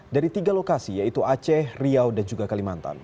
dari tiga lokasi yaitu aceh riau dan juga kalimantan